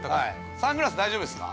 サングラス大丈夫ですか？